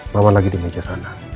bawa lagi di meja sana